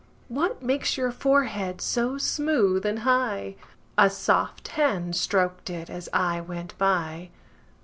What makes your forehead so smooth and high?A soft hand strok'd it as I went by.